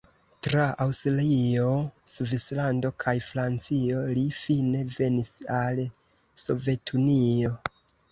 Tra Aŭstrio, Svislando kaj Francio li fine venis al Sovetunio.